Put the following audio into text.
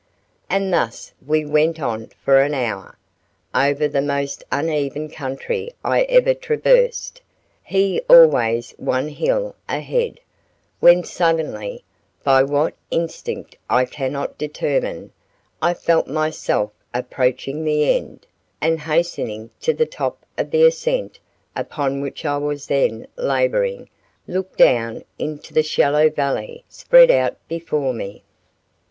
And thus we went on for an hour, over the most uneven country I ever traversed, he always one hill ahead; when suddenly, by what instinct I cannot determine, I felt myself approaching the end, and hastening to the top of the ascent up which I was then laboring, looked down into the shallow valley spread out before me.